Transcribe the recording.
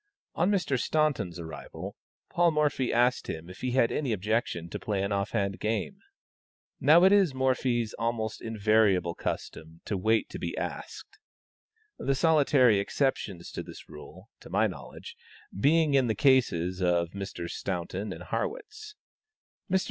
On Mr. Staunton's arrival, Paul Morphy asked him if he had any objection to play an off hand game. Now it is Morphy's almost invariable custom to wait to be asked; the solitary exceptions to this rule (to my knowledge) being in the cases of Messrs. Staunton and Harrwitz. Mr.